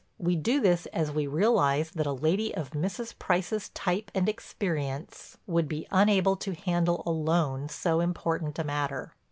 We do this as we realize that a lady of Mrs. Price's type and experience would be unable to handle alone so important a matter.